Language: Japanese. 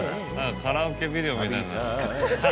カラオケビデオみたいなハハハ。